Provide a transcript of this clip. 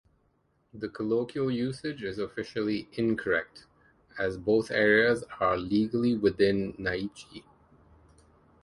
The colloquial usage is officially "incorrect", as both areas are legally within "naichi".